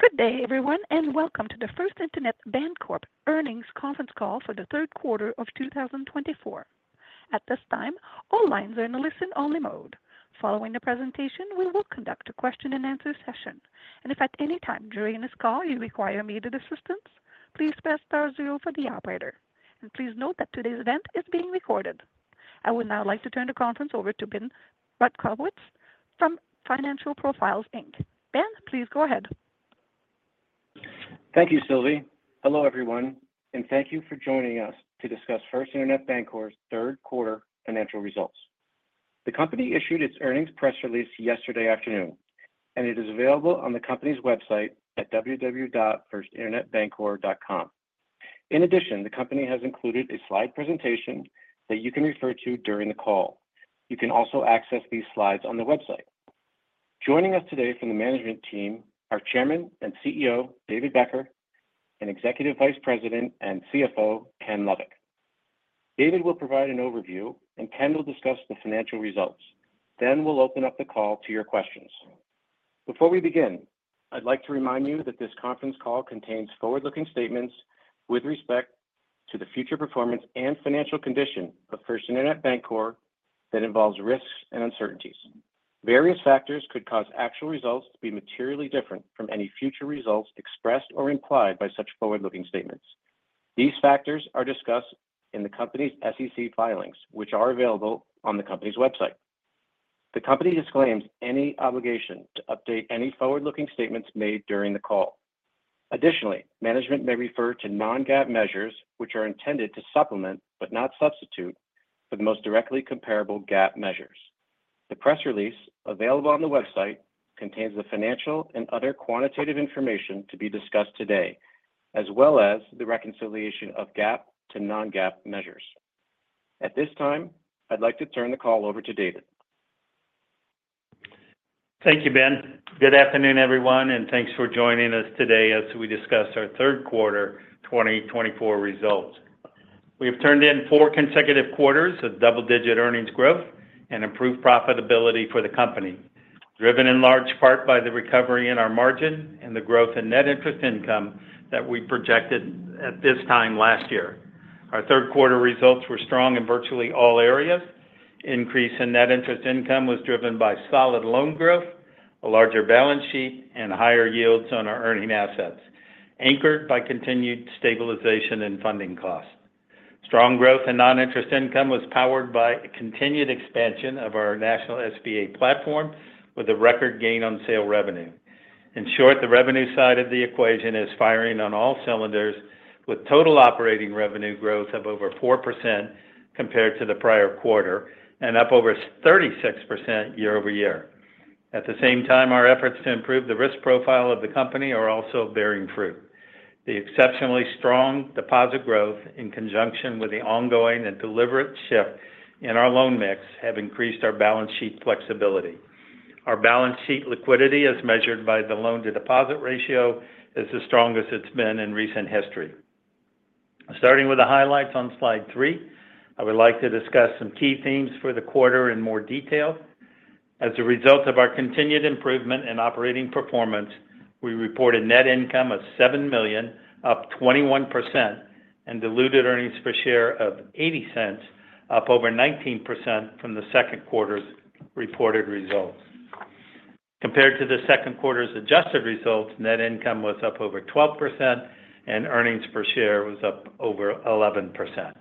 Good day, everyone, and welcome to the First Internet Bancorp Earnings Conference Call for the third quarter of two thousand and twenty-four. At this time, all lines are in a listen-only mode. Following the presentation, we will conduct a question-and-answer session. And if at any time during this call you require immediate assistance, please press star zero for the operator. And please note that today's event is being recorded. I would now like to turn the conference over to Ben Brodkowitz from Financial Profiles, Inc. Ben, please go ahead. Thank you, Sylvie. Hello, everyone, and thank you for joining us to discuss First Internet Bancorp's third quarter financial results. The company issued its earnings press release yesterday afternoon, and it is available on the company's website at www.firstinternetbancorp.com. In addition, the company has included a slide presentation that you can refer to during the call. You can also access these slides on the website. Joining us today from the management team are Chairman and CEO, David Becker, and Executive Vice President and CFO, Ken Lovik. David will provide an overview and Ken will discuss the financial results. Then we'll open up the call to your questions. Before we begin, I'd like to remind you that this conference call contains forward-looking statements with respect to the future performance and financial condition of First Internet Bancorp that involves risks and uncertainties. Various factors could cause actual results to be materially different from any future results expressed or implied by such forward-looking statements. These factors are discussed in the company's SEC filings, which are available on the company's website. The company disclaims any obligation to update any forward-looking statements made during the call. Additionally, management may refer to non-GAAP measures, which are intended to supplement, but not substitute, for the most directly comparable GAAP measures. The press release available on the website contains the financial and other quantitative information to be discussed today, as well as the reconciliation of GAAP to non-GAAP measures. At this time, I'd like to turn the call over to David. Thank you, Ben. Good afternoon, everyone, and thanks for joining us today as we discuss our third quarter twenty twenty-four results. We have turned in four consecutive quarters of double-digit earnings growth and improved profitability for the company, driven in large part by the recovery in our margin and the growth in net interest income that we projected at this time last year. Our third quarter results were strong in virtually all areas. Increase in net interest income was driven by solid loan growth, a larger balance sheet, and higher yields on our earning assets, anchored by continued stabilization in funding costs. Strong growth in non-interest income was powered by a continued expansion of our national SBA platform with a record gain on sale revenue. In short, the revenue side of the equation is firing on all cylinders, with total operating revenue growth of over 4% compared to the prior quarter and up over 36% year-over-year. At the same time, our efforts to improve the risk profile of the company are also bearing fruit. The exceptionally strong deposit growth, in conjunction with the ongoing and deliberate shift in our loan mix, have increased our balance sheet flexibility. Our balance sheet liquidity, as measured by the loan-to-deposit ratio, is the strongest it's been in recent history. Starting with the highlights on slide three, I would like to discuss some key themes for the quarter in more detail. As a result of our continued improvement in operating performance, we reported net income of $7 million, up 21%, and diluted earnings per share of $0.80, up over 19% from the second quarter's reported results. Compared to the second quarter's adjusted results, net income was up over 12% and earnings per share was up over 11%,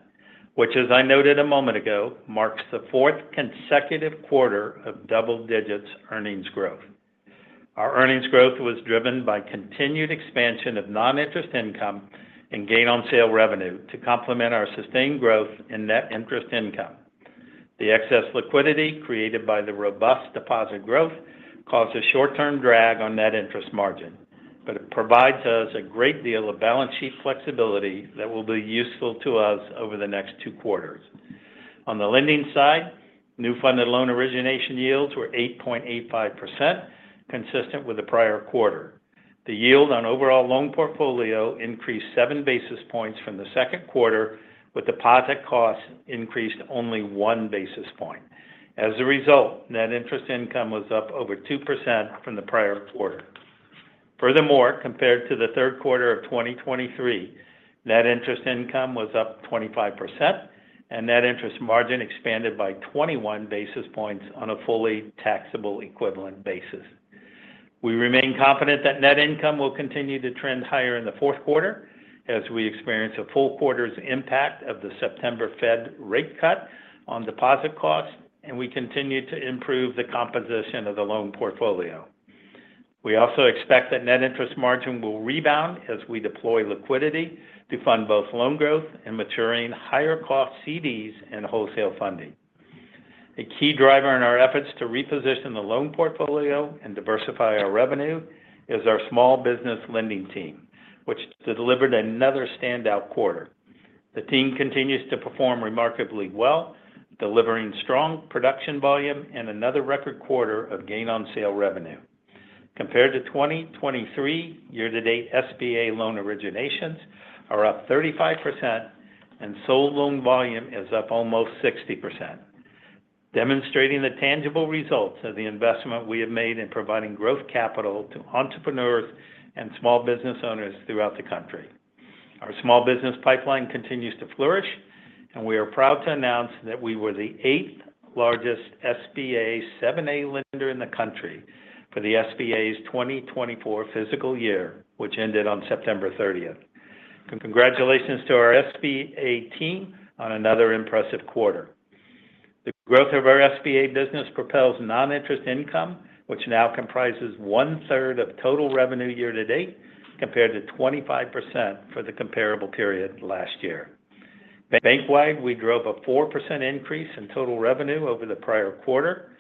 which, as I noted a moment ago, marks the fourth consecutive quarter of double digits earnings growth. Our earnings growth was driven by continued expansion of non-interest income and gain on sale revenue to complement our sustained growth in net interest income. The excess liquidity created by the robust deposit growth caused a short-term drag on net interest margin, but it provides us a great deal of balance sheet flexibility that will be useful to us over the next two quarters. On the lending side, new funded loan origination yields were 8.85%, consistent with the prior quarter. The yield on overall loan portfolio increased seven basis points from the second quarter, with deposit costs increased only one basis point. As a result, net interest income was up over 2% from the prior quarter. Furthermore, compared to the third quarter of 2023, net interest income was up 25% and net interest margin expanded by 21 basis points on a fully taxable equivalent basis. We remain confident that net income will continue to trend higher in the fourth quarter as we experience a full quarter's impact of the September Fed rate cut on deposit costs, and we continue to improve the composition of the loan portfolio. We also expect that net interest margin will rebound as we deploy liquidity to fund both loan growth and maturing higher cost CDs and wholesale funding. A key driver in our efforts to reposition the loan portfolio and diversify our revenue is our small business lending team, which delivered another standout quarter. The team continues to perform remarkably well, delivering strong production volume and another record quarter of gain on sale revenue. Compared to 2023, year-to-date SBA loan originations are up 35% and sold loan volume is up almost 60%, demonstrating the tangible results of the investment we have made in providing growth capital to entrepreneurs and small business owners throughout the country. Our small business pipeline continues to flourish, and we are proud to announce that we were the eighth-largest SBA 7(a) lender in the country for the SBA's 2024 fiscal year, which ended on September 30th. Congratulations to our SBA team on another impressive quarter. The growth of our SBA business propels non-interest income, which now comprises one-third of total revenue year to date, compared to 25% for the comparable period last year. Bank-wide, we drove a 4% increase in total revenue over the prior quarter,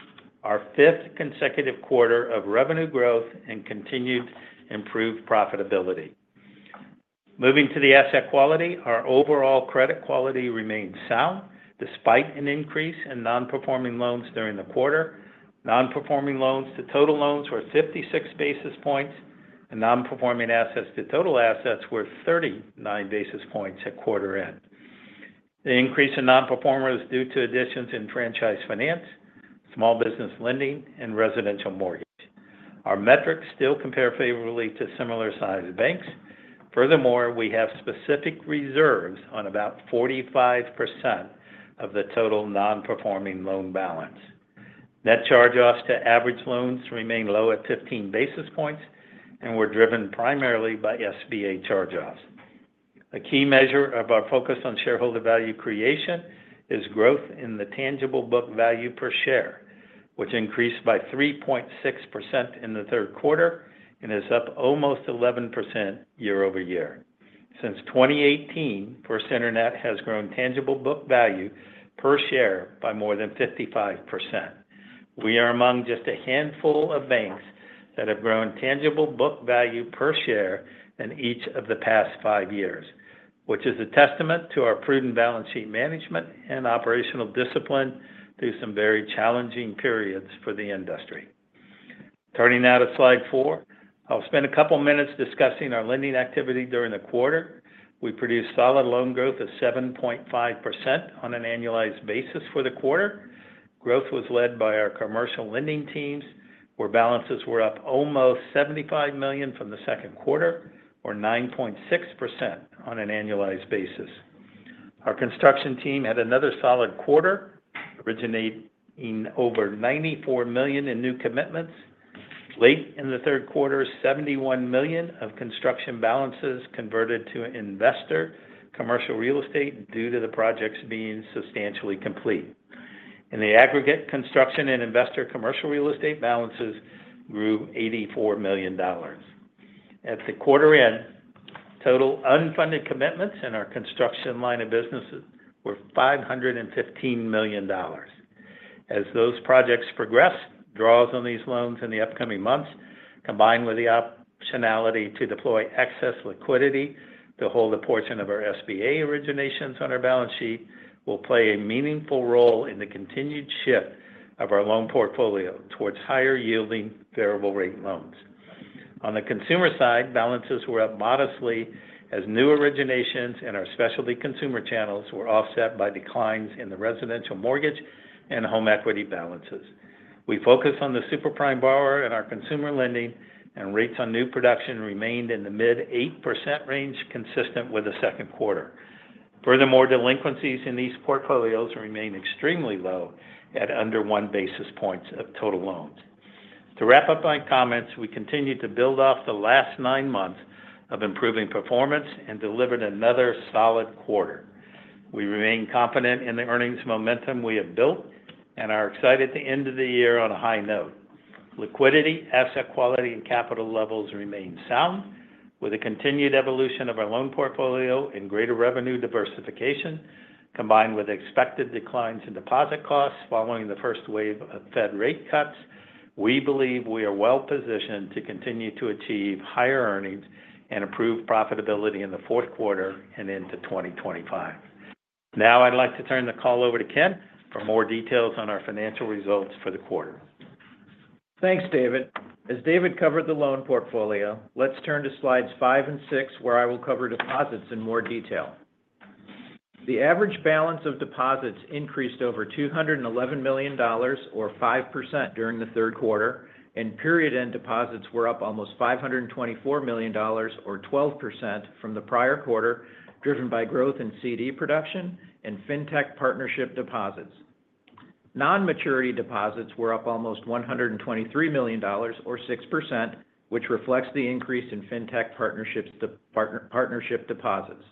our fifth consecutive quarter of revenue growth and continued improved profitability. Moving to the asset quality, our overall credit quality remains sound, despite an increase in non-performing loans during the quarter. Non-performing loans to total loans were 56 basis points, and non-performing assets to total assets were 39 basis points at quarter end. The increase in nonperforming is due to additions in franchise finance, small business lending, and residential mortgage. Our metrics still compare favorably to similar-sized banks. Furthermore, we have specific reserves on about 45% of the total non-performing loan balance. Net charge-offs to average loans remain low at 15 basis points and were driven primarily by SBA charge-offs. A key measure of our focus on shareholder value creation is growth in the tangible book value per share, which increased by 3.6% in the third quarter and is up almost 11% year over year. Since 2018, First Internet has grown tangible book value per share by more than 55%. We are among just a handful of banks that have grown tangible book value per share in each of the past five years, which is a testament to our prudent balance sheet management and operational discipline through some very challenging periods for the industry. Turning now to slide four. I'll spend a couple minutes discussing our lending activity during the quarter. We produced solid loan growth of 7.5% on an annualized basis for the quarter. Growth was led by our commercial lending teams, where balances were up almost $75 million from the second quarter, or 9.6% on an annualized basis. Our construction team had another solid quarter, originating over $94 million in new commitments. Late in the third quarter, $71 million of construction balances converted to investor commercial real estate due to the projects being substantially complete. In the aggregate, construction and investor commercial real estate balances grew $84 million. At the quarter end, total unfunded commitments in our construction line of businesses were $515 million. As those projects progress, draws on these loans in the upcoming months, combined with the optionality to deploy excess liquidity to hold a portion of our SBA originations on our balance sheet, will play a meaningful role in the continued shift of our loan portfolio towards higher-yielding variable rate loans. On the consumer side, balances were up modestly as new originations in our specialty consumer channels were offset by declines in the residential mortgage and home equity balances. We focused on the super prime borrower and our consumer lending, and rates on new production remained in the mid-8% range, consistent with the second quarter. Furthermore, delinquencies in these portfolios remain extremely low at under one basis point of total loans. To wrap up my comments, we continued to build off the last nine months of improving performance and delivered another solid quarter. We remain confident in the earnings momentum we have built and are excited at the end of the year on a high note. Liquidity, asset quality, and capital levels remain sound, with a continued evolution of our loan portfolio and greater revenue diversification, combined with expected declines in deposit costs following the first wave of Fed rate cuts. We believe we are well positioned to continue to achieve higher earnings and improve profitability in the fourth quarter and into twenty twenty-five. Now I'd like to turn the call over to Ken for more details on our financial results for the quarter. Thanks, David. As David covered the loan portfolio, let's turn to slides five and six, where I will cover deposits in more detail. The average balance of deposits increased over $211 million or 5% during the third quarter, and period-end deposits were up almost $524 million or 12% from the prior quarter, driven by growth in CD production and fintech partnership deposits. Non-maturity deposits were up almost $123 million or 6%, which reflects the increase in fintech partnership deposits.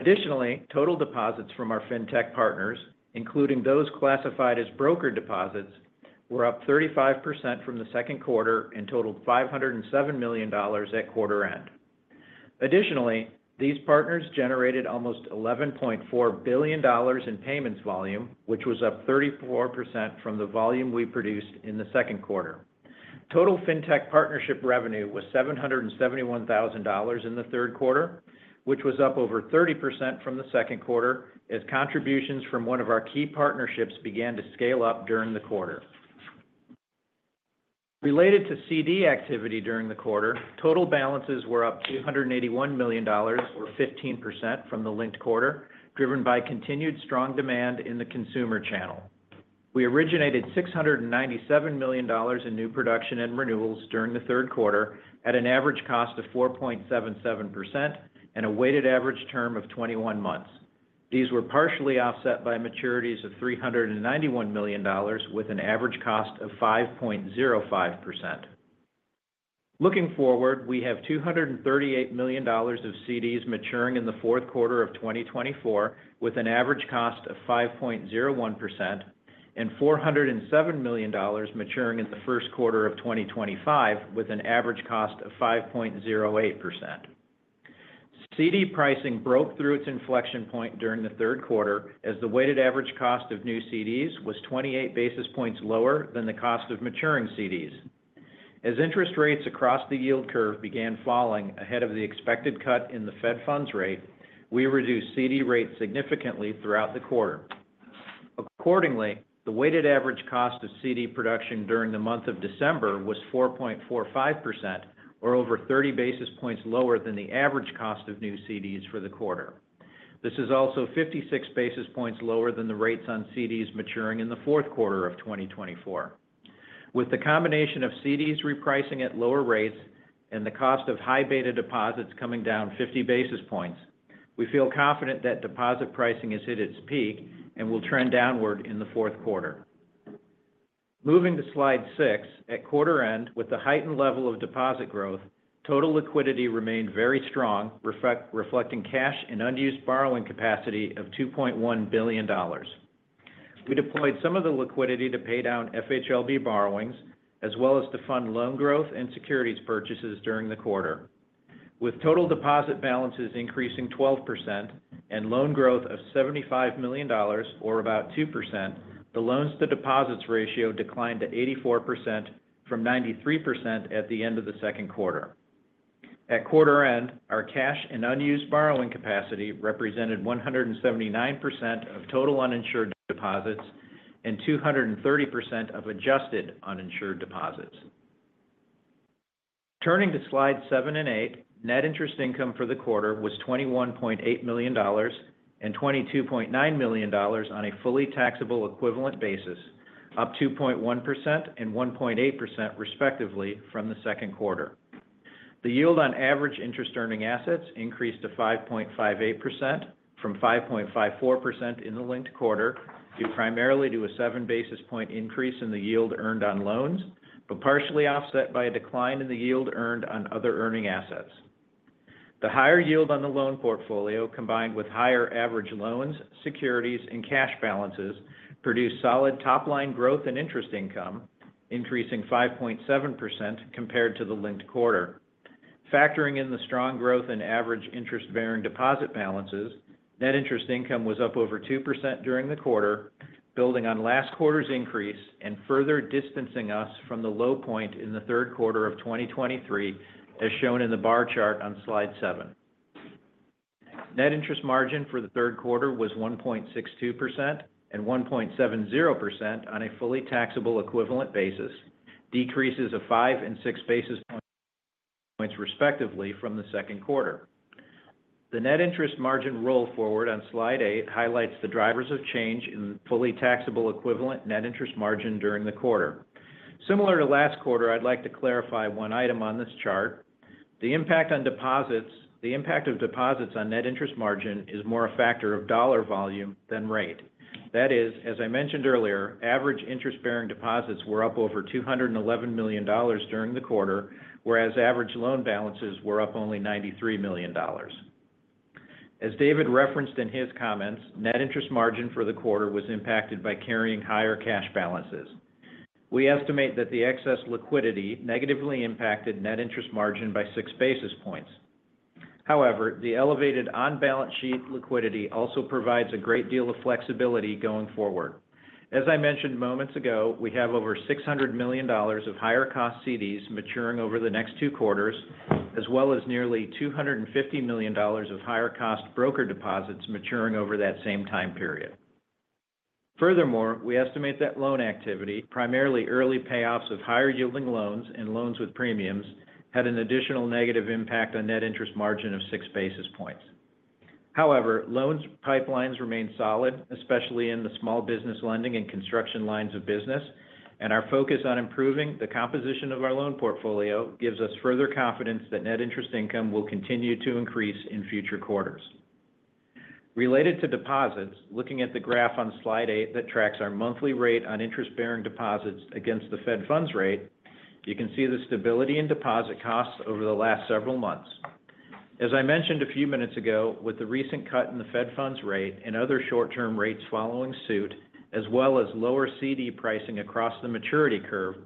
Additionally, total deposits from our fintech partners, including those classified as broker deposits, were up 35% from the second quarter and totaled $507 million at quarter end. Additionally, these partners generated almost $11.4 billion in payments volume, which was up 34% from the volume we produced in the second quarter. Total fintech partnership revenue was $771,000 in the third quarter, which was up over 30% from the second quarter, as contributions from one of our key partnerships began to scale up during the quarter. Related to CD activity during the quarter, total balances were up $281 million, or 15% from the linked quarter, driven by continued strong demand in the consumer channel. We originated $697 million in new production and renewals during the third quarter, at an average cost of 4.77% and a weighted average term of 21 months. These were partially offset by maturities of $391 million, with an average cost of 5.05%. Looking forward, we have $238 million of CDs maturing in the fourth quarter of 2024, with an average cost of 5.01%, and $407 million maturing in the first quarter of 2025, with an average cost of 5.08%. CD pricing broke through its inflection point during the third quarter, as the weighted average cost of new CDs was twenty-eight basis points lower than the cost of maturing CDs. As interest rates across the yield curve began falling ahead of the expected cut in the Fed funds rate, we reduced CD rates significantly throughout the quarter. Accordingly, the weighted average cost of CD production during the month of December was 4.45%, or over 30 basis points lower than the average cost of new CDs for the quarter. This is also 56 basis points lower than the rates on CDs maturing in the fourth quarter of 2024. With the combination of CDs repricing at lower rates and the cost of high beta deposits coming down 50 basis points, we feel confident that deposit pricing has hit its peak and will trend downward in the fourth quarter. Moving to slide 6, at quarter-end, with the heightened level of deposit growth, total liquidity remained very strong, reflecting cash and unused borrowing capacity of $2.1 billion. We deployed some of the liquidity to pay down FHLB borrowings, as well as to fund loan growth and securities purchases during the quarter. With total deposit balances increasing 12% and loan growth of $75 million or about 2%, the loan-to-deposit ratio declined to 84% from 93% at the end of the second quarter. At quarter end, our cash and unused borrowing capacity represented 179% of total uninsured deposits and 230% of adjusted uninsured deposits. Turning to slides 7 and 8, net interest income for the quarter was $21.8 million and $22.9 million on a fully taxable equivalent basis, up 2.1% and 1.8% respectively from the second quarter. The yield on average interest earning assets increased to 5.58% from 5.54% in the linked quarter, due primarily to a seven basis points increase in the yield earned on loans, but partially offset by a decline in the yield earned on other earning assets. The higher yield on the loan portfolio, combined with higher average loans, securities, and cash balances, produced solid top-line growth and interest income, increasing 5.7% compared to the linked quarter. Factoring in the strong growth in average interest-bearing deposit balances, net interest income was up over 2% during the quarter, building on last quarter's increase and further distancing us from the low point in the third quarter of 2023, as shown in the bar chart on slide 7. Net interest margin for the third quarter was 1.62% and 1.70% on a fully taxable equivalent basis, decreases of five and six basis points respectively from the second quarter. The net interest margin roll forward on slide eight highlights the drivers of change in fully taxable equivalent net interest margin during the quarter. Similar to last quarter, I'd like to clarify one item on this chart. The impact of deposits on net interest margin is more a factor of dollar volume than rate. That is, as I mentioned earlier, average interest-bearing deposits were up over $211 million during the quarter, whereas average loan balances were up only $93 million. As David referenced in his comments, net interest margin for the quarter was impacted by carrying higher cash balances. We estimate that the excess liquidity negatively impacted net interest margin by six basis points. However, the elevated on-balance sheet liquidity also provides a great deal of flexibility going forward. As I mentioned moments ago, we have over $600 million of higher cost CDs maturing over the next two quarters, as well as nearly $250 million of higher cost broker deposits maturing over that same time period. Furthermore, we estimate that loan activity, primarily early payoffs of higher yielding loans and loans with premiums, had an additional negative impact on net interest margin of six basis points. However, loans pipelines remain solid, especially in the small business lending and construction lines of business, and our focus on improving the composition of our loan portfolio gives us further confidence that net interest income will continue to increase in future quarters. Related to deposits, looking at the graph on slide 8 that tracks our monthly rate on interest-bearing deposits against the Fed funds rate, you can see the stability in deposit costs over the last several months. As I mentioned a few minutes ago, with the recent cut in the Fed funds rate and other short-term rates following suit, as well as lower CD pricing across the maturity curve,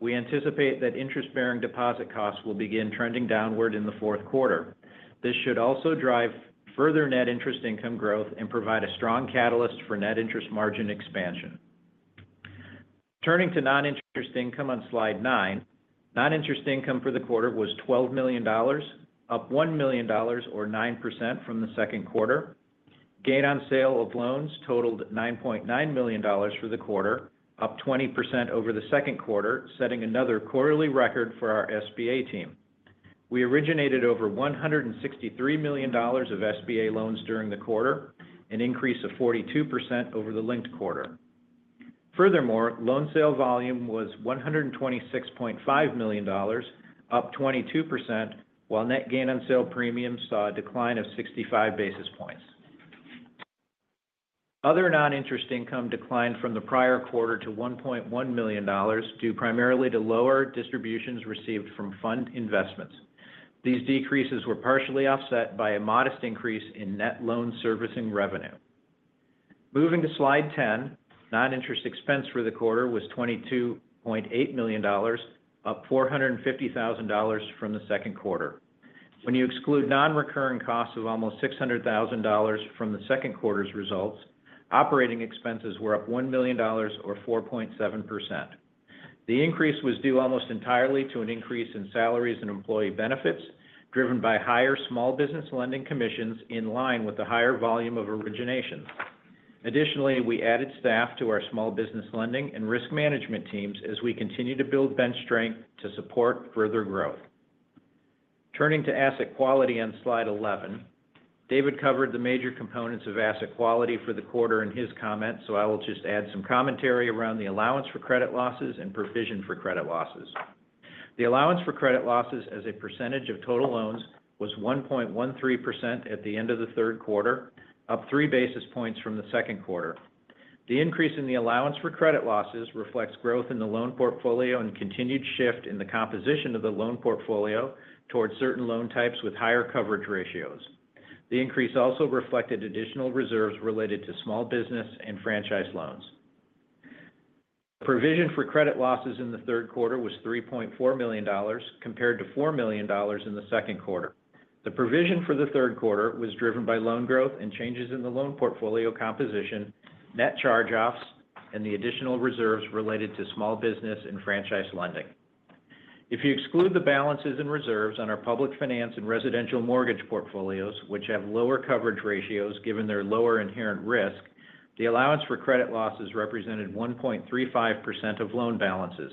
we anticipate that interest-bearing deposit costs will begin trending downward in the fourth quarter. This should also drive further net interest income growth and provide a strong catalyst for net interest margin expansion. Turning to non-interest income on slide 9, non-interest income for the quarter was $12 million, up $1 million or 9% from the second quarter.... Gain on sale of loans totaled $9.9 million for the quarter, up 20% over the second quarter, setting another quarterly record for our SBA team. We originated over $163 million of SBA loans during the quarter, an increase of 42% over the linked quarter. Furthermore, loan sale volume was $126.5 million, up 22%, while net gain on sale premiums saw a decline of sixty-five basis points. Other non-interest income declined from the prior quarter to $1.1 million, due primarily to lower distributions received from fund investments. These decreases were partially offset by a modest increase in net loan servicing revenue. Moving to slide 10, non-interest expense for the quarter was $22.8 million, up $450,000 from the second quarter. When you exclude non-recurring costs of almost $600,000 from the second quarter's results, operating expenses were up $1 million or 4.7%. The increase was due almost entirely to an increase in salaries and employee benefits, driven by higher small business lending commissions in line with the higher volume of originations. Additionally, we added staff to our small business lending and risk management teams as we continue to build bench strength to support further growth. Turning to asset quality on slide 11, David covered the major components of asset quality for the quarter in his comments, so I will just add some commentary around the allowance for credit losses and provision for credit losses. The allowance for credit losses as a percentage of total loans was 1.13% at the end of the third quarter, up three basis points from the second quarter. The increase in the allowance for credit losses reflects growth in the loan portfolio and continued shift in the composition of the loan portfolio towards certain loan types with higher coverage ratios. The increase also reflected additional reserves related to small business and franchise loans. Provision for credit losses in the third quarter was $3.4 million, compared to $4 million in the second quarter. The provision for the third quarter was driven by loan growth and changes in the loan portfolio composition, net charge-offs, and the additional reserves related to small business and franchise lending. If you exclude the balances and reserves on our public finance and residential mortgage portfolios, which have lower coverage ratios given their lower inherent risk, the allowance for credit losses represented 1.35% of loan balances.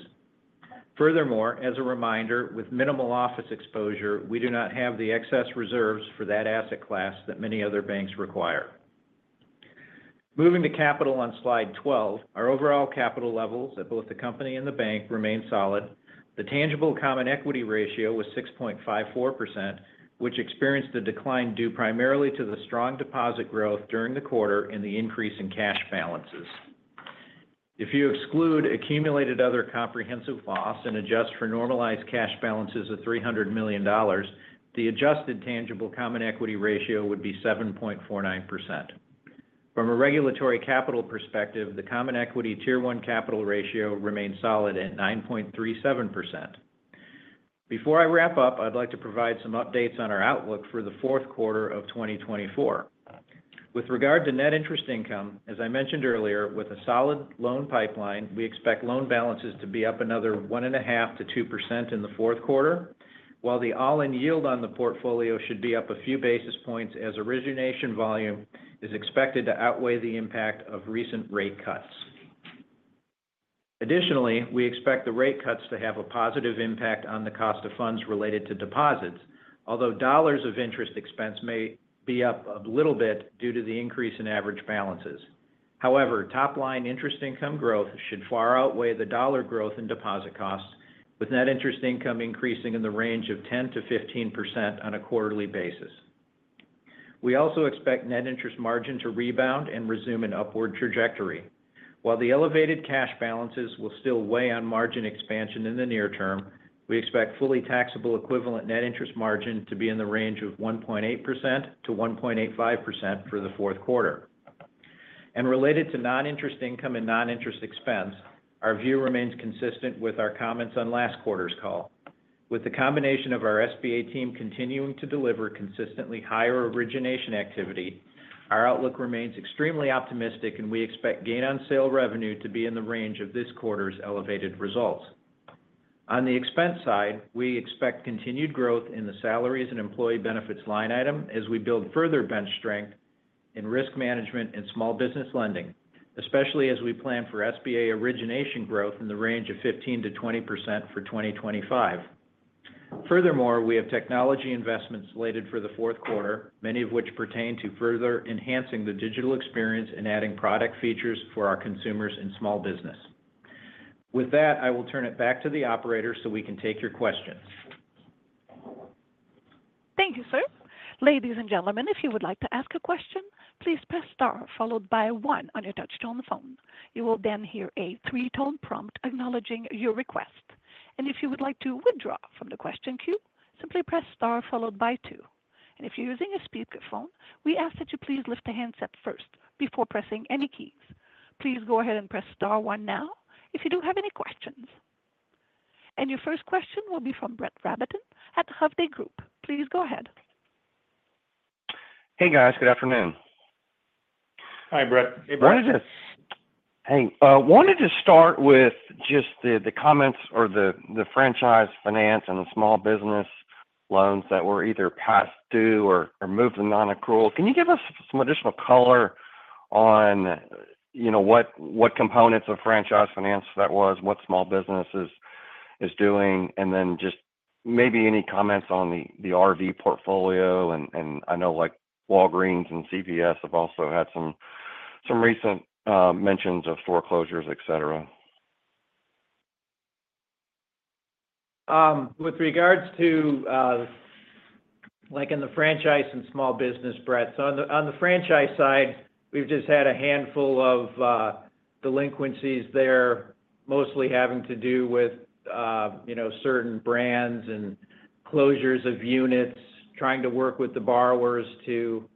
Furthermore, as a reminder, with minimal office exposure, we do not have the excess reserves for that asset class that many other banks require. Moving to capital on slide 12, our overall capital levels at both the company and the bank remain solid. The tangible common equity ratio was 6.54%, which experienced a decline due primarily to the strong deposit growth during the quarter and the increase in cash balances. If you exclude accumulated other comprehensive loss and adjust for normalized cash balances of $300 million, the adjusted tangible common equity ratio would be 7.49%. From a regulatory capital perspective, the Common Equity Tier 1 capital ratio remains solid at 9.37%. Before I wrap up, I'd like to provide some updates on our outlook for the fourth quarter of twenty twenty-four. With regard to net interest income, as I mentioned earlier, with a solid loan pipeline, we expect loan balances to be up another 1.5%-2% in the fourth quarter, while the all-in yield on the portfolio should be up a few basis points as origination volume is expected to outweigh the impact of recent rate cuts. Additionally, we expect the rate cuts to have a positive impact on the cost of funds related to deposits, although dollars of interest expense may be up a little bit due to the increase in average balances. However, top-line interest income growth should far outweigh the dollar growth in deposit costs, with net interest income increasing in the range of 10%-15% on a quarterly basis. We also expect net interest margin to rebound and resume an upward trajectory. While the elevated cash balances will still weigh on margin expansion in the near term, we expect fully taxable equivalent net interest margin to be in the range of 1.8%-1.85% for the fourth quarter, and related to non-interest income and non-interest expense, our view remains consistent with our comments on last quarter's call. With the combination of our SBA team continuing to deliver consistently higher origination activity, our outlook remains extremely optimistic, and we expect gain on sale revenue to be in the range of this quarter's elevated results. On the expense side, we expect continued growth in the salaries and employee benefits line item as we build further bench strength in risk management and small business lending, especially as we plan for SBA origination growth in the range of 15%-20% for 2025. Furthermore, we have technology investments slated for the fourth quarter, many of which pertain to further enhancing the digital experience and adding product features for our consumers and small business. With that, I will turn it back to the operator so we can take your questions. Thank you, sir. Ladies and gentlemen, if you would like to ask a question, please press star followed by one on your touch-tone phone. You will then hear a three-tone prompt acknowledging your request, and if you would like to withdraw from the question queue, simply press star followed by two. And if you're using a speakerphone, we ask that you please lift the handset first before pressing any keys. Please go ahead and press star one now if you do have any questions. And your first question will be from Brett Rabatin at Hovde Group. Please go ahead. Hey, guys. Good afternoon. Hi, Brett. Hey, Brett. Hey, wanted to start with just the comments or the franchise finance and the small business loans that were either past due or moved to nonaccrual. Can you give us some additional color on, you know, what components of franchise finance that was, what small business is doing? And then just maybe any comments on the RV portfolio. And I know like Walgreens and CVS have also had some recent mentions of foreclosures, et cetera. With regards to, like in the franchise and small business, Brett, so on the franchise side, we've just had a handful of delinquencies there, mostly having to do with, you know, certain brands and closures of units, trying to work with the borrowers to,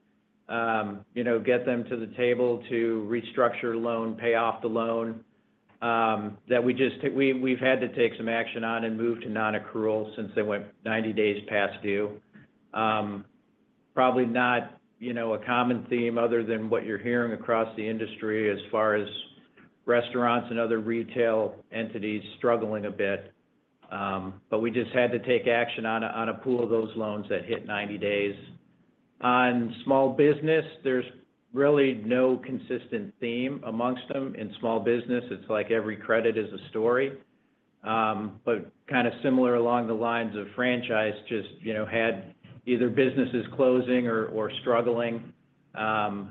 you know, get them to the table to restructure a loan, pay off the loan, that we've had to take some action on and move to nonaccrual since they went ninety days past due. Probably not, you know, a common theme other than what you're hearing across the industry as far as restaurants and other retail entities struggling a bit. But we just had to take action on a pool of those loans that hit ninety days. On small business, there's really no consistent theme amongst them. In small business, it's like every credit is a story. But kind of similar along the lines of franchise, just, you know, had either businesses closing or struggling.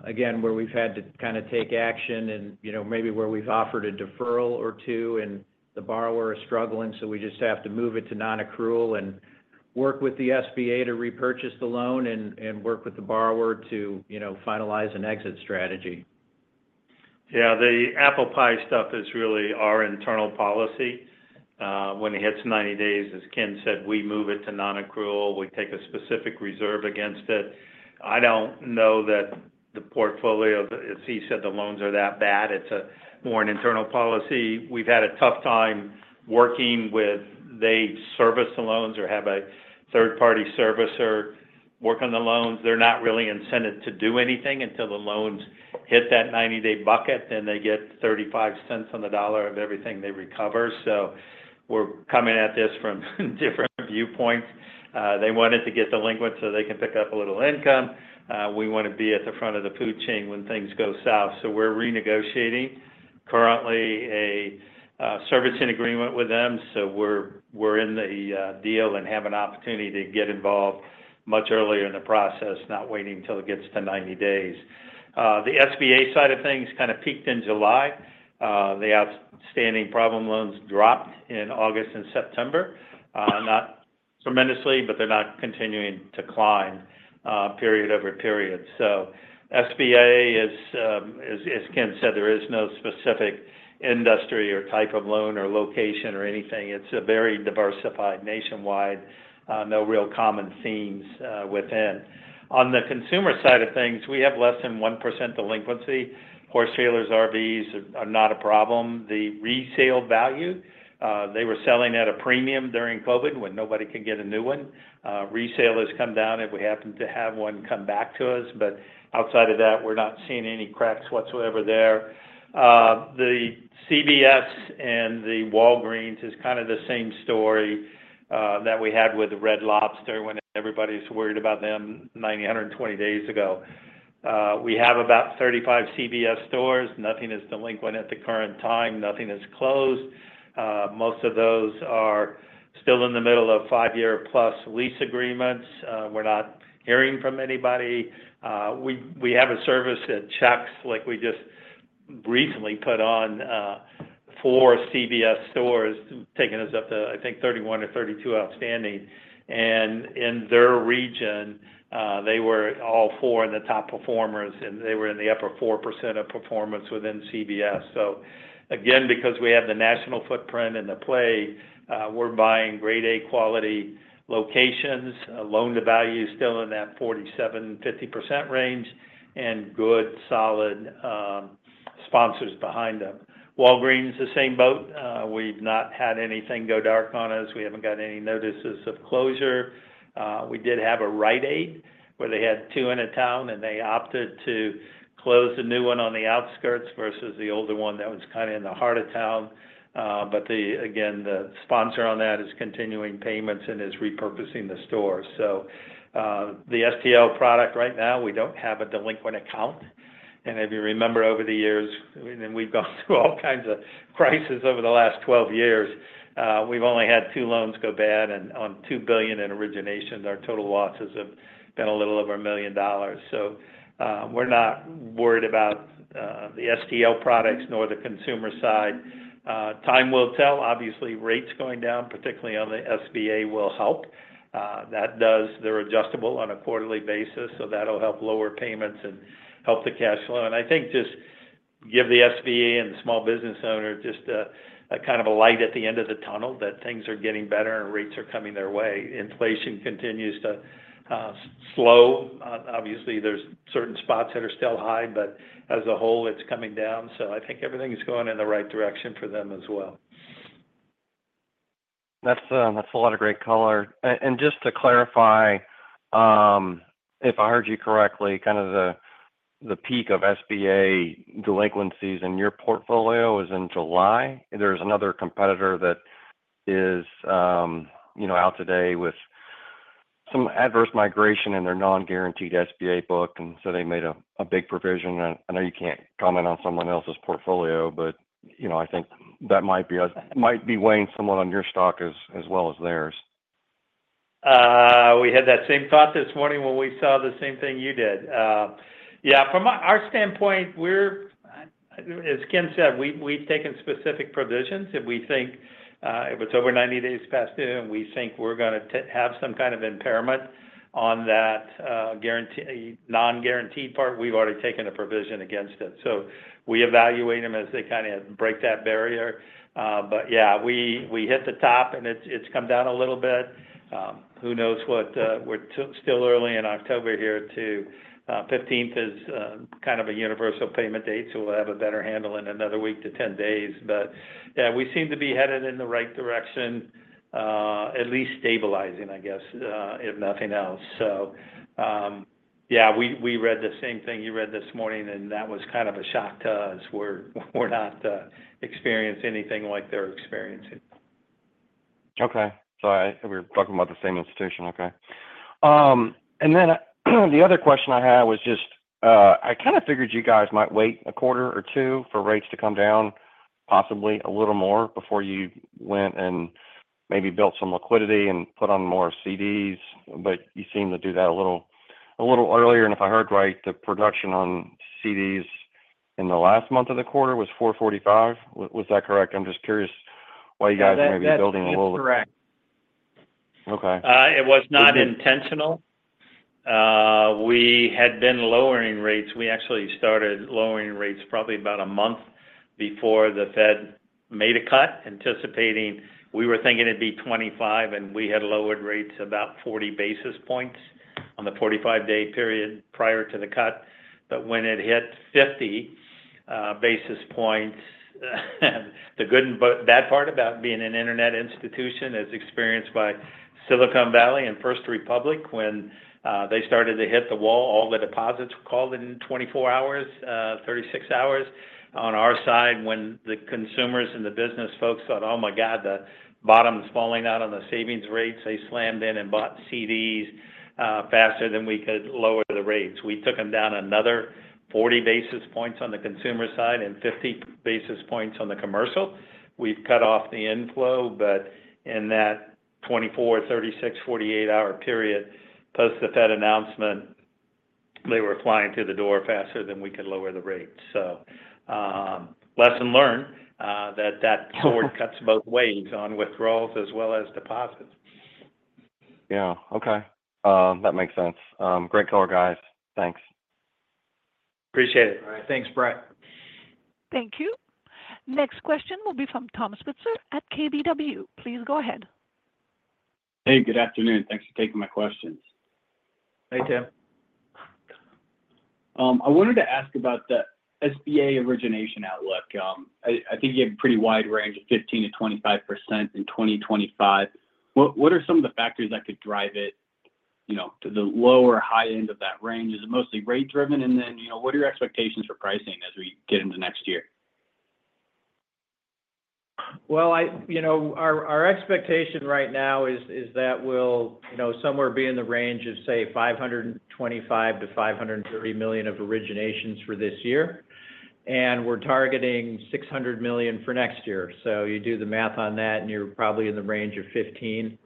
Again, where we've had to kind of take action and, you know, maybe where we've offered a deferral or two and the borrower is struggling, so we just have to move it to non-accrual and work with the SBA to repurchase the loan and work with the borrower to, you know, finalize an exit strategy. Yeah, the ApplePie stuff is really our internal policy. When it hits ninety days, as Ken said, we move it to nonaccrual. We take a specific reserve against it. I don't know that the portfolio, as he said, the loans are that bad. It's a more an internal policy. We've had a tough time working with... They service the loans or have a third-party servicer work on the loans. They're not really incented to do anything until the loans hit that ninety-day bucket, then they get thirty-five cents on the dollar of everything they recover. So we're coming at this from different viewpoints. They want it to get delinquent so they can pick up a little income. We want to be at the front of the food chain when things go south. So we're renegotiating, currently, a servicing agreement with them. So we're in the deal and have an opportunity to get involved much earlier in the process, not waiting until it gets to 90 days. The SBA side of things kind of peaked in July. The outstanding problem loans dropped in August and September, not tremendously, but they're not continuing to climb, period over period. So SBA is, as Ken said, there is no specific industry or type of loan or location or anything. It's a very diversified nationwide, no real common themes, within. On the consumer side of things, we have less than 1% delinquency. Horse trailers, RVs are not a problem. The resale value, they were selling at a premium during COVID when nobody could get a new one. Resale has come down, if we happen to have one come back to us, but outside of that, we're not seeing any cracks whatsoever there. The CVS and the Walgreens is kind of the same story, that we had with the Red Lobster when everybody was worried about them ninety, hundred and twenty days ago. We have about thirty-five CVS stores. Nothing is delinquent at the current time. Nothing is closed. Most of those are still in the middle of five-year-plus lease agreements. We're not hearing from anybody. We have a service that checks, like we just recently put on four CVS stores, taking us up to, I think, thirty-one or thirty-two outstanding. And in their region, they were all four in the top performers, and they were in the upper 4% of performance within CVS. So again, because we have the national footprint and the play, we're buying grade A quality locations, loan-to-value is still in that 47%-50% range, and good, solid, sponsors behind them. Walgreens is in the same boat. We've not had anything go dark on us. We haven't gotten any notices of closure. We did have a Rite Aid, where they had two in a town, and they opted to close the new one on the outskirts versus the older one that was kind of in the heart of town. But again, the sponsor on that is continuing payments and is repurposing the store, so the STL product right now, we don't have a delinquent account. If you remember over the years, we've gone through all kinds of crises over the last 12 years. We've only had two loans go bad, and on $2 billion in origination, our total losses have been a little over $1 million. So, we're not worried about the STL products nor the consumer side. Time will tell. Obviously, rates going down, particularly on the SBA, will help. That does. They're adjustable on a quarterly basis, so that'll help lower payments and help the cash flow. I think just give the SBA and the small business owner just a kind of light at the end of the tunnel, that things are getting better and rates are coming their way. Inflation continues to slow. Obviously, there's certain spots that are still high, but as a whole, it's coming down. So I think everything is going in the right direction for them as well.... That's, that's a lot of great color. And just to clarify, if I heard you correctly, kind of the peak of SBA delinquencies in your portfolio is in July? There's another competitor that is, you know, out today with some adverse migration in their non-guaranteed SBA book, and so they made a big provision. And I know you can't comment on someone else's portfolio, but, you know, I think that might be us- might be weighing somewhat on your stock as well as theirs. We had that same thought this morning when we saw the same thing you did. Yeah, from our standpoint, we're, as Ken said, we've taken specific provisions, if we think, if it's over ninety days past due, and we think we're gonna have some kind of impairment on that, guaranteed non-guaranteed part, we've already taken a provision against it, so we evaluate them as they kind of break that barrier, but yeah, we hit the top, and it's come down a little bit. Who knows what? We're still early in October here too. Fifteenth is kind of a universal payment date, so we'll have a better handle in another week to ten days, but yeah, we seem to be headed in the right direction, at least stabilizing, I guess, if nothing else. Yeah, we read the same thing you read this morning, and that was kind of a shock to us. We're not experiencing anything like they're experiencing. Okay. So we're talking about the same institution. Okay. And then, the other question I had was just, I kind of figured you guys might wait a quarter or two for rates to come down, possibly a little more, before you went and maybe built some liquidity and put on more CDs, but you seem to do that a little earlier. And if I heard right, the production on CDs in the last month of the quarter was four forty-five. Was that correct? I'm just curious why you guys may be building a little- That's correct. Okay. It was not intentional. We had been lowering rates. We actually started lowering rates probably about a month before the Fed made a cut, anticipating, we were thinking it'd be 25, and we had lowered rates about 40 basis points on the 45-day period prior to the cut. But when it hit 50 basis points, the good and bad part about being an internet institution is experienced by Silicon Valley and First Republic. When they started to hit the wall, all the deposits were called in 24 hours, 36 hours. On our side, when the consumers and the business folks thought, "Oh, my God, the bottom is falling out on the savings rates," they slammed in and bought CDs faster than we could lower the rates. We took them down another forty basis points on the consumer side and fifty basis points on the commercial. We've cut off the inflow, but in that twenty-four, thirty-six, forty-eight hour period, post the Fed announcement, they were flying through the door faster than we could lower the rate, so lesson learned, that sword cuts both ways on withdrawals as well as deposits. Yeah. Okay. That makes sense. Great color, guys. Thanks. Appreciate it. Thanks, Brett. Thank you. Next question will be from Tim Switzer at KBW. Please go ahead. Hey, good afternoon. Thanks for taking my questions. Hey, Tim. I wanted to ask about the SBA origination outlook. I think you have a pretty wide range of 15%-25% in 2025. What are some of the factors that could drive it, you know, to the low or high end of that range? Is it mostly rate driven? And then, you know, what are your expectations for pricing as we get into next year? You know, our expectation right now is that we'll you know somewhere be in the range of, say, $525 million-$530 million of originations for this year, and we're targeting $600 million for next year. So you do the math on that, and you're probably in the range of 15.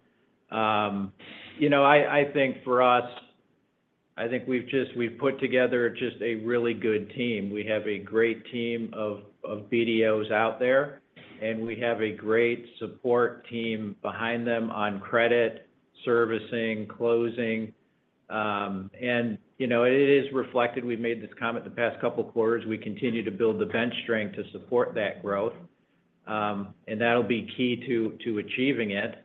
You know, I think for us, I think we've just we've put together just a really good team. We have a great team of BDOs out there, and we have a great support team behind them on credit, servicing, closing. And you know, it is reflected. We've made this comment the past couple of quarters. We continue to build the bench strength to support that growth, and that'll be key to achieving it.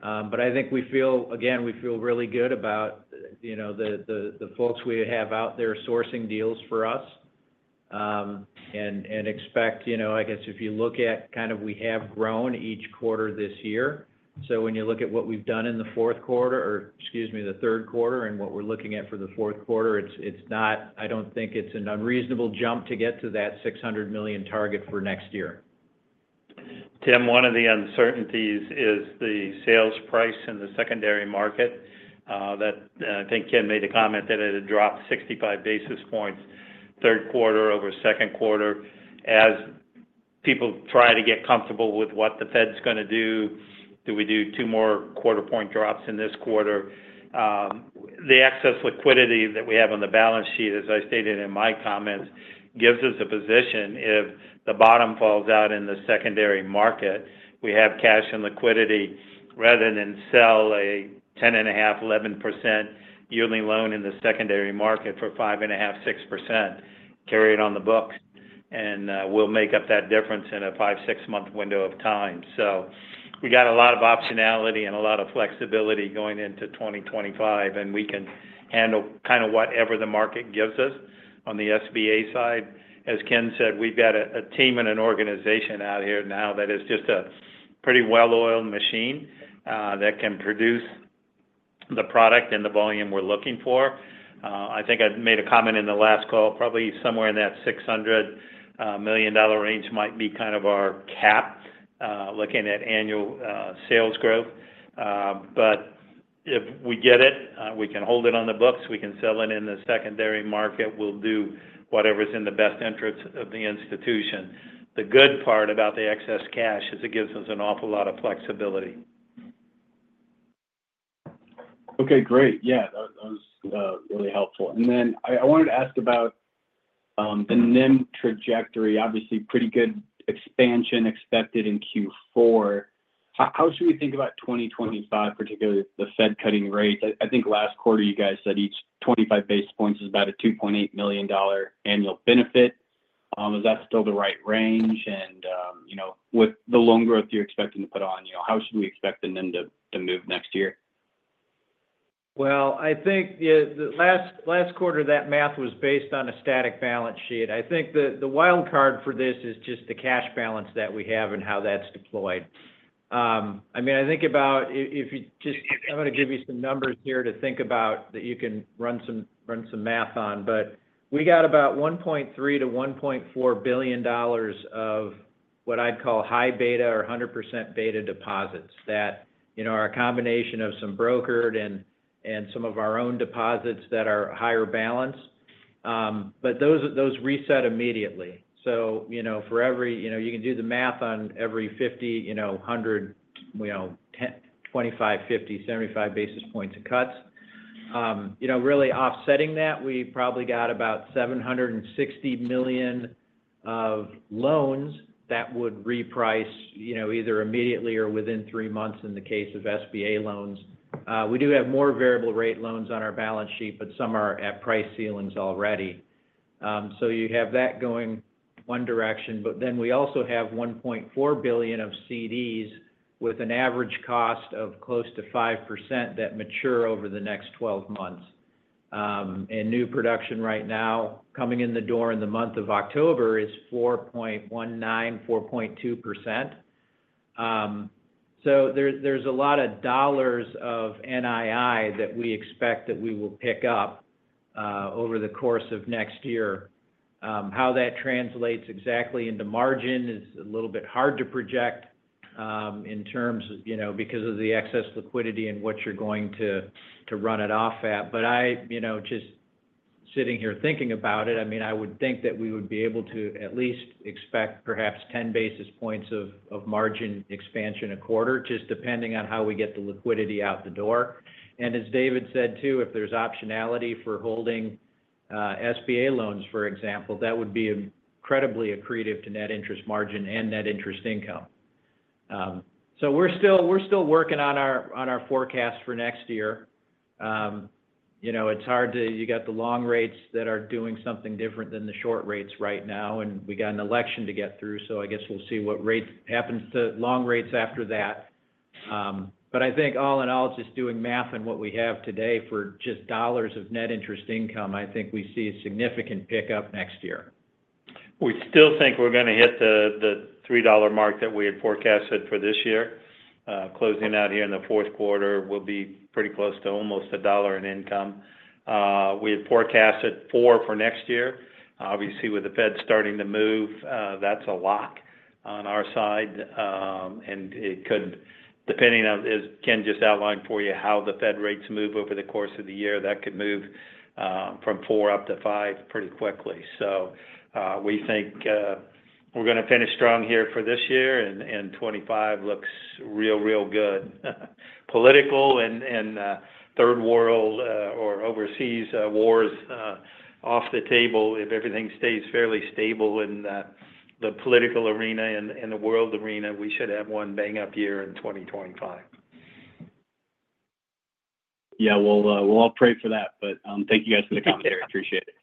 But I think we feel again we feel really good about, you know, the folks we have out there sourcing deals for us, and expect, you know, I guess if you look at kind of we have grown each quarter this year. So when you look at what we've done in the fourth quarter, or excuse me, the third quarter, and what we're looking at for the fourth quarter, it's not. I don't think it's an unreasonable jump to get to that six hundred million target for next year. Tim, one of the uncertainties is the sales price in the secondary market, that I think Ken made a comment that it had dropped sixty-five basis points, third quarter over second quarter. As people try to get comfortable with what the Fed's gonna do, do we do two more quarter point drops in this quarter? The excess liquidity that we have on the balance sheet, as I stated in my comments, gives us a position. If the bottom falls out in the secondary market, we have cash and liquidity, rather than sell a 10.5%-11% yielding loan in the secondary market for 5.5%-6%, carry it on the books, and we'll make up that difference in a 5-6-month window of time. So we got a lot of optionality and a lot of flexibility going into 2025, and we can handle kind of whatever the market gives us on the SBA side. As Ken said, we've got a team and an organization out here now that is just a pretty well-oiled machine that can produce- ... the product and the volume we're looking for. I think I made a comment in the last call, probably somewhere in that $600 million range might be kind of our cap, looking at annual sales growth. But if we get it, we can hold it on the books, we can sell it in the secondary market. We'll do whatever's in the best interest of the institution. The good part about the excess cash is it gives us an awful lot of flexibility. Okay, great. Yeah, that was really helpful. And then I wanted to ask about the NIM trajectory. Obviously, pretty good expansion expected in Q4. How should we think about twenty twenty-five, particularly with the Fed cutting rates? I think last quarter you guys said each twenty-five basis points is about a $2.8 million annual benefit. Is that still the right range? And you know, with the loan growth you're expecting to put on, you know, how should we expect the NIM to move next year? I think the last quarter, that math was based on a static balance sheet. I think the wild card for this is just the cash balance that we have and how that's deployed. I mean, I think about if you just-- I'm gonna give you some numbers here to think about that you can run some math on, but we got about $1.3 billion-$1.4 billion of what I'd call high beta or 100% beta deposits, that, you know, are a combination of some brokered and some of our own deposits that are higher balance. But those reset immediately. So, you know, for every-- you know, you can do the math on every 50, 100, 10, 25, 50, 75 basis points of cuts. You know, really offsetting that, we probably got about $760 million of loans that would reprice, you know, either immediately or within three months in the case of SBA loans. We do have more variable rate loans on our balance sheet, but some are at price ceilings already. So you have that going one direction, but then we also have $1.4 billion of CDs, with an average cost of close to 5% that mature over the next 12 months. New production right now, coming in the door in the month of October, is 4.19%, 4.2%. So there, there's a lot of dollars of NII that we expect that we will pick up over the course of next year. How that translates exactly into margin is a little bit hard to project, in terms of, you know, because of the excess liquidity and what you're going to run it off at, but I, you know, just sitting here thinking about it, I mean, I would think that we would be able to at least expect perhaps ten basis points of margin expansion a quarter, just depending on how we get the liquidity out the door, and as David said, too, if there's optionality for holding SBA loans, for example, that would be incredibly accretive to net interest margin and net interest income, so we're still working on our forecast for next year. You know, it's hard to, you got the long rates that are doing something different than the short rates right now, and we got an election to get through, so I guess we'll see what rates happens to long rates after that. But I think all in all, just doing math and what we have today for just dollars of net interest income, I think we see a significant pickup next year. We still think we're gonna hit the $3 mark that we had forecasted for this year. Closing out here in the fourth quarter will be pretty close to almost $1 in income. We had forecasted $4 for next year. Obviously, with the Fed starting to move, that's a lock on our side, and it could, depending on, as Ken just outlined for you, how the Fed rates move over the course of the year, that could move from $4 up to $5 pretty quickly. We think we're gonna finish strong here for this year, and 2025 looks real, real good. Political and third world or overseas wars off the table, if everything stays fairly stable in the political arena and the world arena, we should have one bang up year in 2025. Yeah, we'll all pray for that. But, thank you guys for the commentary. Appreciate it.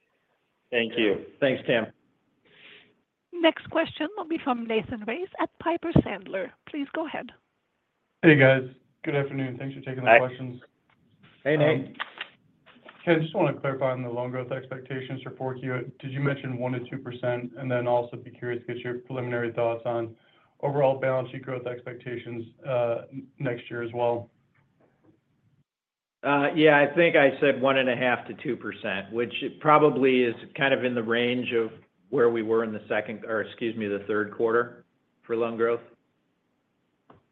Thank you. Thanks, Tim. Next question will be from Nathan Race at Piper Sandler. Please go ahead. Hey, guys. Good afternoon. Thanks for taking the questions. Hi. Hey, Nate. Ken, I just want to clarify on the loan growth expectations for 4Q. Did you mention 1%-2%? And then also be curious to get your preliminary thoughts on overall balance sheet growth expectations, next year as well. Yeah, I think I said 1.5%-2%, which probably is kind of in the range of where we were in the second, or excuse me, the third quarter for loan growth.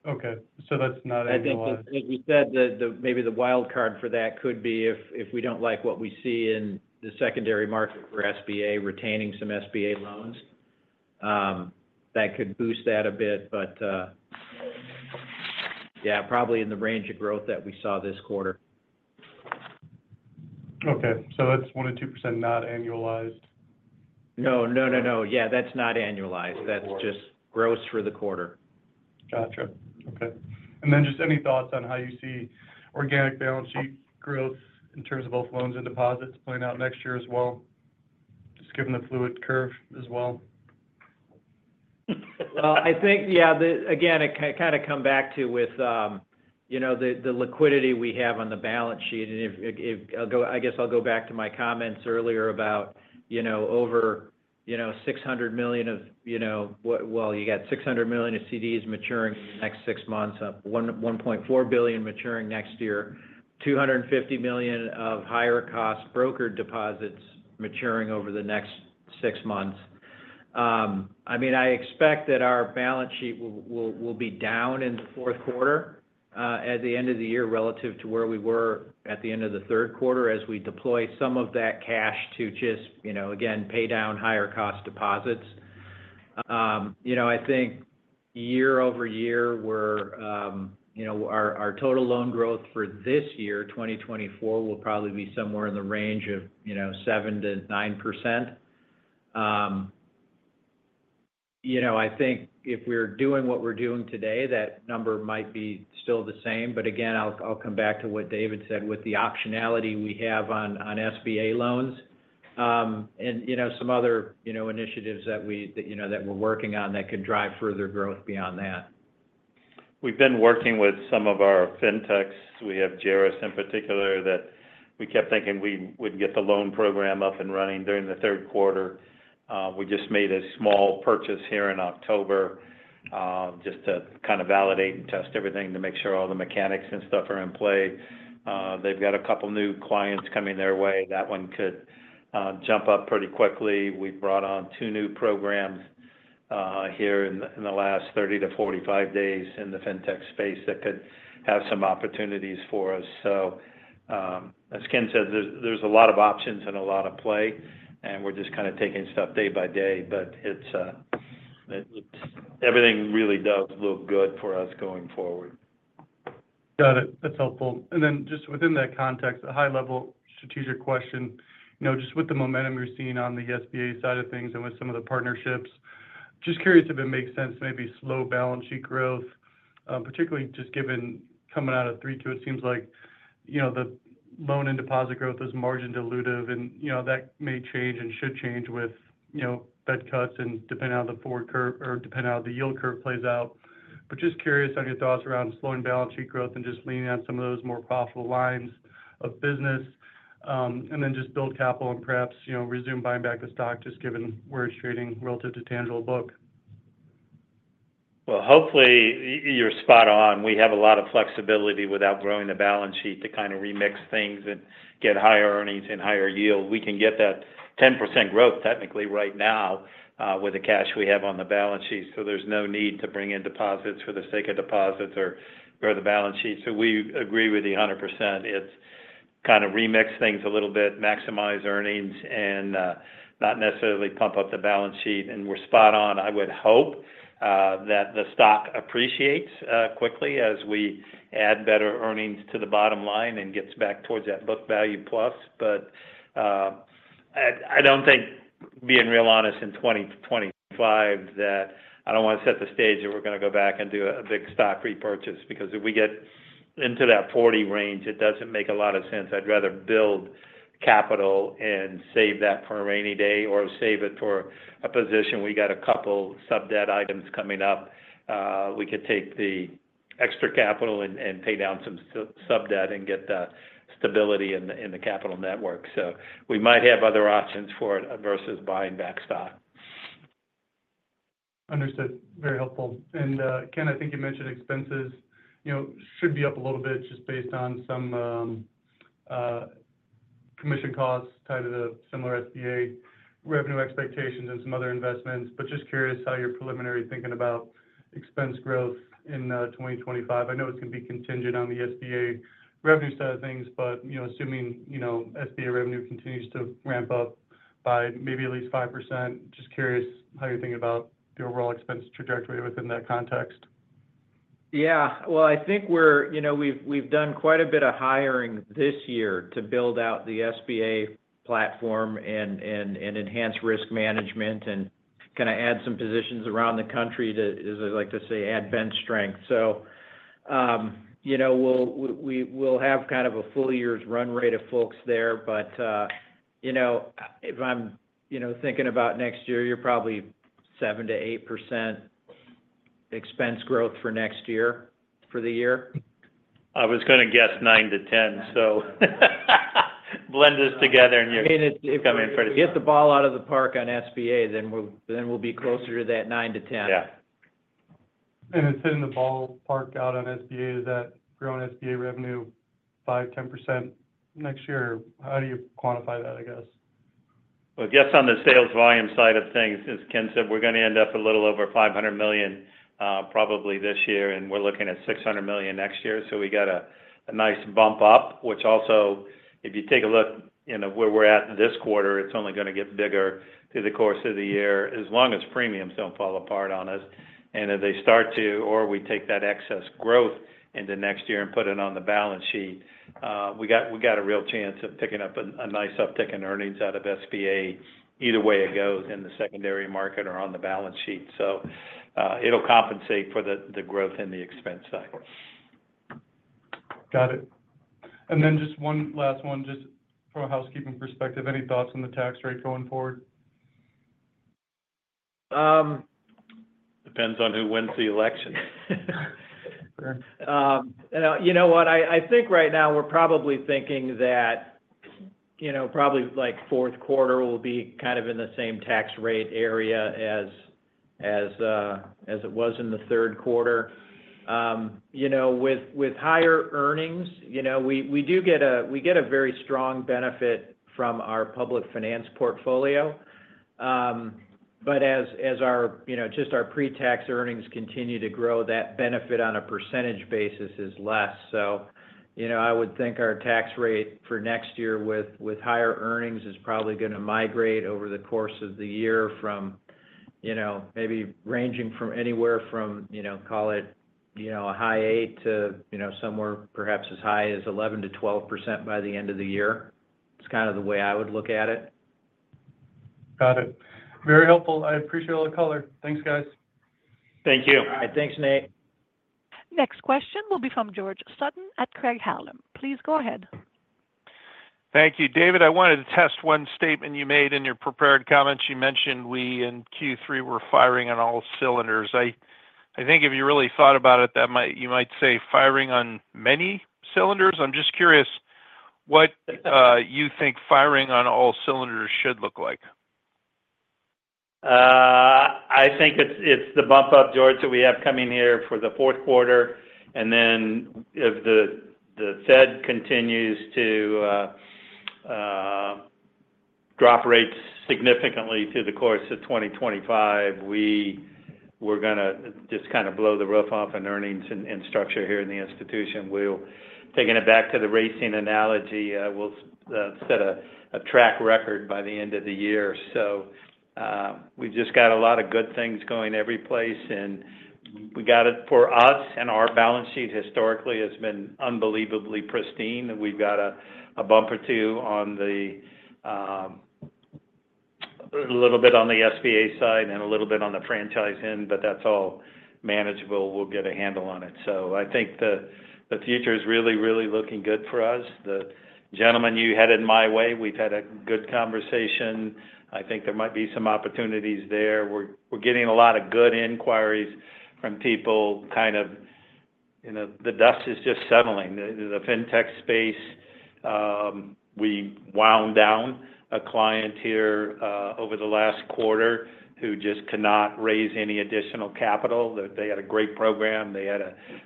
Okay, so that's not annualized- I think, like we said, maybe the wild card for that could be if we don't like what we see in the secondary market for SBA, retaining some SBA loans, that could boost that a bit. But, yeah, probably in the range of growth that we saw this quarter. Okay. So that's 1%-2%, not annualized? No. No, no, no. Yeah, that's not annualized. Okay. That's just gross for the quarter. Gotcha. Okay. And then just any thoughts on how you see organic balance sheet growth in terms of both loans and deposits playing out next year as well, just given the fluid curve as well? I think, yeah, again, it kind of come back to with, you know, the liquidity we have on the balance sheet. And I guess I'll go back to my comments earlier about, you know, $600 million of, you know, you got $600 million of CDs maturing in the next six months, and $1.4 billion maturing next year. $250 million of higher cost brokered deposits maturing over the next six months. I mean, I expect that our balance sheet will be down in the fourth quarter, at the end of the year, relative to where we were at the end of the third quarter, as we deploy some of that cash to just, you know, again, pay down higher cost deposits. You know, I think year over year, we're, you know, our total loan growth for this year, 2024, will probably be somewhere in the range of, you know, 7%-9%. You know, I think if we're doing what we're doing today, that number might be still the same. But again, I'll come back to what David said, with the optionality we have on SBA loans, and, you know, some other, you know, initiatives that we're working on that could drive further growth beyond that. We've been working with some of our fintechs. We have Jaris, in particular, that we kept thinking we would get the loan program up and running during the third quarter. We just made a small purchase here in October, just to kind of validate and test everything to make sure all the mechanics and stuff are in play. They've got a couple new clients coming their way. That one could jump up pretty quickly. We brought on two new programs here in the last 30-45 days in the fintech space that could have some opportunities for us. So, as Ken said, there's a lot of options and a lot of play, and we're just kind of taking stuff day by day. But everything really does look good for us going forward. Got it. That's helpful. And then just within that context, a high-level strategic question: you know, just with the momentum you're seeing on the SBA side of things and with some of the partnerships, just curious if it makes sense to maybe slow balance sheet growth, particularly just given coming out of 3Q, it seems like, you know, the loan and deposit growth is margin dilutive, and, you know, that may change and should change with, you know, Fed cuts and depending on how the forward curve or depending on how the yield curve plays out. But just curious on your thoughts around slowing balance sheet growth and just leaning on some of those more profitable lines of business, and then just build capital and perhaps, you know, resume buying back the stock, just given where it's trading relative to tangible book. Hopefully, you're spot on. We have a lot of flexibility without growing the balance sheet to kind of remix things and get higher earnings and higher yield. We can get that 10% growth technically right now with the cash we have on the balance sheet. So there's no need to bring in deposits for the sake of deposits or grow the balance sheet. So we agree with you 100%. It's kind of remix things a little bit, maximize earnings, and not necessarily pump up the balance sheet. And we're spot on. I would hope that the stock appreciates quickly as we add better earnings to the bottom line and gets back towards that book value plus. But, I don't think, being real honest, in twenty twenty-five, that I don't want to set the stage that we're going to go back and do a big stock repurchase, because if we get into that forty range, it doesn't make a lot of sense. I'd rather build capital and save that for a rainy day or save it for a position. We got a couple sub-debt items coming up. We could take the extra capital and pay down some sub-debt and get the stability in the capital network. So we might have other options for it versus buying back stock. Understood. Very helpful. And, Ken, I think you mentioned expenses. You know, should be up a little bit just based on some commission costs tied to the similar SBA revenue expectations and some other investments. But just curious how your preliminary thinking about expense growth in twenty twenty-five? I know it's going to be contingent on the SBA revenue side of things, but, you know, assuming, you know, SBA revenue continues to ramp up by maybe at least 5%, just curious how you think about the overall expense trajectory within that context? Yeah. Well, I think we're you know, we've done quite a bit of hiring this year to build out the SBA platform and enhance risk management and kinda add some positions around the country to, as I like to say, add bench strength. So, you know, we'll have kind of a full year's run rate of folks there, but you know, if I'm thinking about next year, you're probably 7%-8% expense growth for next year, for the year. I was gonna guess nine to ten, so blend this together and you- I mean, if Come in pretty- you get the ball out of the park on SBA, then we'll be closer to that nine to ten. Yeah. It's in the ballpark on SBA. Is that growing SBA revenue 5-10% next year? How do you quantify that, I guess? Just on the sales volume side of things, as Ken said, we're gonna end up a little over $500 million, probably this year, and we're looking at $600 million next year. So we got a nice bump up, which also, if you take a look in where we're at this quarter, it's only gonna get bigger through the course of the year, as long as premiums don't fall apart on us. And as they start to, or we take that excess growth into next year and put it on the balance sheet, we got a real chance of picking up a nice uptick in earnings out of SBA, either way it goes in the secondary market or on the balance sheet. So, it'll compensate for the growth in the expense side. Got it. And then just one last one, just from a housekeeping perspective, any thoughts on the tax rate going forward?... Depends on who wins the election. You know what? I think right now we're probably thinking that, you know, probably like, fourth quarter will be kind of in the same tax rate area as it was in the third quarter. You know, with higher earnings, you know, we do get a very strong benefit from our public finance portfolio. But as our, you know, just our pre-tax earnings continue to grow, that benefit on a percentage basis is less. So, you know, I would think our tax rate for next year with higher earnings is probably gonna migrate over the course of the year from, you know, maybe ranging from anywhere from, you know, call it, you know, a high 8% to, you know, somewhere perhaps as high as 11%-12% by the end of the year. It's kind of the way I would look at it. Got it. Very helpful. I appreciate all the color. Thanks, guys. Thank you. All right. Thanks, Nate. Next question will be from George Sutton at Craig-Hallum. Please go ahead. Thank you. David, I wanted to test one statement you made in your prepared comments. You mentioned we in Q3 were firing on all cylinders. I, I think if you really thought about it, that might, you might say firing on many cylinders? I'm just curious what you think firing on all cylinders should look like. I think it's the bump up, George, that we have coming here for the fourth quarter, and then if the Fed continues to drop rates significantly through the course of twenty twenty-five, we're gonna just kinda blow the roof off in earnings and structure here in the institution. Taking it back to the racing analogy, we'll set a track record by the end of the year, so we've just got a lot of good things going every place, and we got it for us, and our balance sheet historically has been unbelievably pristine. We've got a bump or two, a little bit on the SBA side and a little bit on the franchise end, but that's all manageable. We'll get a handle on it. So I think the future is really, really looking good for us. The gentleman you headed my way, we've had a good conversation. I think there might be some opportunities there. We're getting a lot of good inquiries from people, kind of, you know, the dust is just settling. The fintech space, we wound down a client here over the last quarter who just cannot raise any additional capital. They had a great program, they had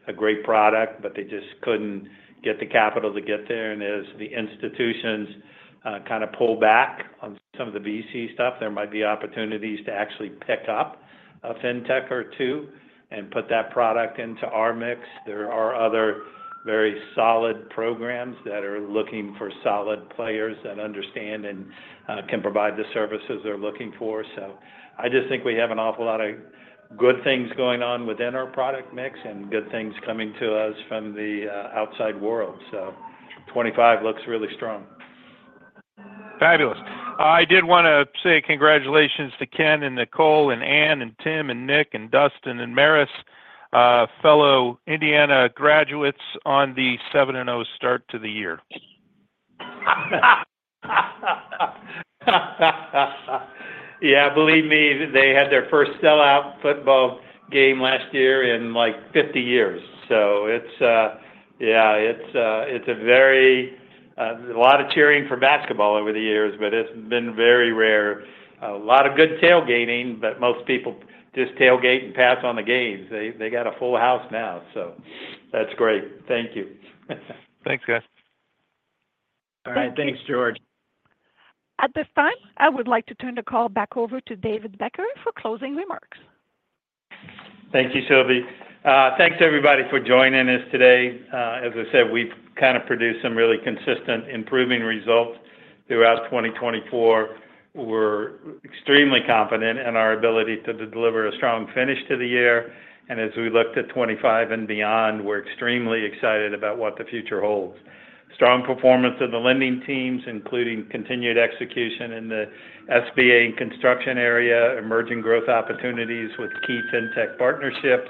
a great product, but they just couldn't get the capital to get there. And as the institutions kind of pull back on some of the VC stuff, there might be opportunities to actually pick up a fintech or two and put that product into our mix. There are other very solid programs that are looking for solid players that understand and can provide the services they're looking for. So I just think we have an awful lot of good things going on within our product mix and good things coming to us from the outside world. So twenty-five looks really strong. Fabulous. I did wanna say congratulations to Ken and Nicole and Anne and Tim and Nick and Dustin and Maris, fellow Indiana graduates on the seven and O start to the year. Yeah, believe me, they had their first sellout football game last year in, like, fifty years. So it's a very... a lot of cheering for basketball over the years, but it's been very rare. A lot of good tailgating, but most people just tailgate and pass on the games. They got a full house now, so that's great. Thank you. Thanks, guys. Thank you. All right. Thanks, George. At this time, I would like to turn the call back over to David Becker for closing remarks. Thank you, Sylvie. Thanks, everybody, for joining us today. As I said, we've kind of produced some really consistent, improving results throughout 2024. We're extremely confident in our ability to deliver a strong finish to the year, and as we look to 2025 and beyond, we're extremely excited about what the future holds. Strong performance of the lending teams, including continued execution in the SBA and construction area, emerging growth opportunities with key fintech partnerships,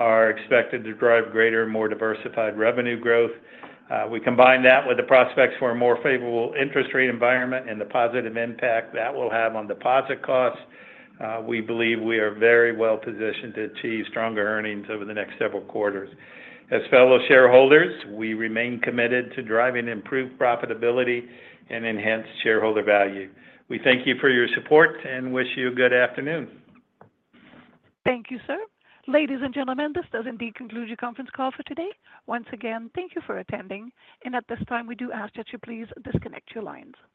are expected to drive greater, more diversified revenue growth. We combine that with the prospects for a more favorable interest rate environment and the positive impact that will have on deposit costs. We believe we are very well positioned to achieve stronger earnings over the next several quarters. As fellow shareholders, we remain committed to driving improved profitability and enhanced shareholder value. We thank you for your support and wish you a good afternoon. Thank you, sir. Ladies and gentlemen, this does indeed conclude your conference call for today. Once again, thank you for attending, and at this time, we do ask that you please disconnect your lines.